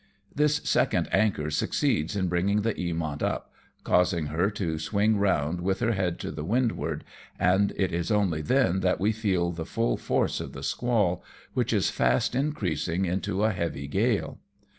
This second anchor succeeds in bringing the Eaniont upj causing her to swing round with her head to ARRIVE AT NAGASAKI. 259 windward, and it is only then that we feel the full force of the squall, which is fast increasing into a heavy gale.